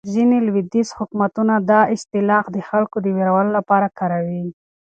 ځینې لویدیځ حکومتونه دا اصطلاح د خلکو د وېرولو لپاره کاروي.